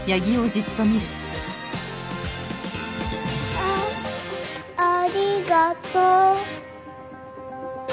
あありがとう。